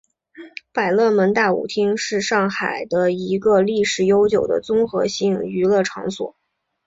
百乐门大舞厅是上海的一个历史悠久的综合性娱乐场所。